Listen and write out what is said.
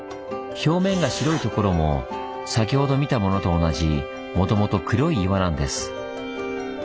表面が白いところも先ほど見たものと同じもともと黒い岩なんです。